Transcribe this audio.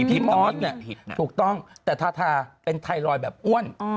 พี่มอสเนี่ยถูกต้องแต่ทาทาเป็นไทรอยด์แบบอ้วน